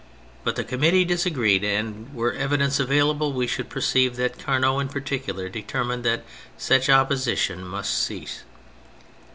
But the Committee disagreed, and were evidence available we should perceive that Carnot in particular determined that such opposition must cease.